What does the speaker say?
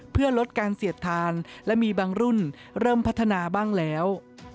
เพื่อลดการเสียดทานและมีบางรุ่นเริ่มพัฒนาบ้างแล้ว